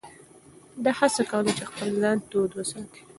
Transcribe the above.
ده هڅه کوله چې خپل ځان تود وساتي.